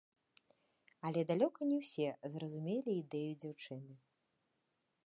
Але далёка на ўсе зразумелі ідэю дзяўчыны.